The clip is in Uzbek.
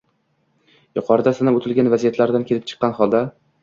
Yuqorida sanab o‘tilgan vaziyatlardan kelib chiqqan holda